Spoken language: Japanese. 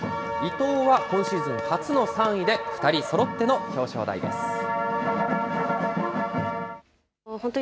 伊藤は今シーズン初の３位で２人そろっての表彰台です。